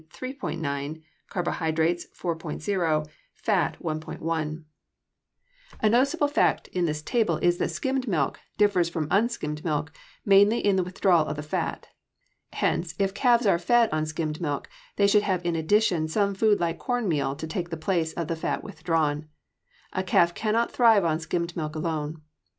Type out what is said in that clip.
1 ======================================================= A noticeable fact in this table is that skimmed milk differs from unskimmed mainly in the withdrawal of the fat. Hence, if calves are fed on skimmed milk, they should have in addition some food like corn meal to take the place of the fat withdrawn. A calf cannot thrive on skimmed milk alone.